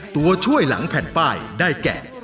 ตัวช่วยหลังแผ่นป้ายได้แก่